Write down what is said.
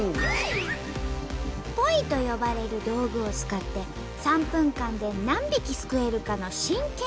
「ポイ」と呼ばれる道具を使って３分間で何匹すくえるかの真剣勝負。